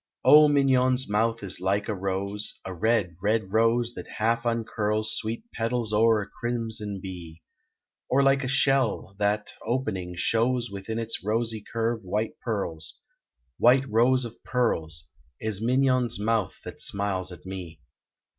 Oh, Mignon's mouth is like a rose, A red, red rose, that half uncurls Sweet petals o'er a crimson bee: Or like a shell, that, opening, shows Within its rosy curve white pearls, White rows of pearls, Is Mignon's mouth that smiles at me.